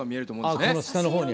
ああこの下の方に。